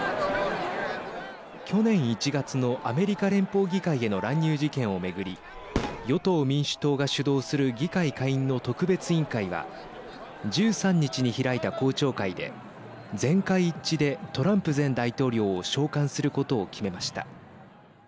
去年１月のアメリカ連邦議会への乱入事件を巡り与党・民主党が主導する議会下院の特別委員会は１３日に開いた公聴会で全会一致でトランプ前大統領を召喚することを決めました。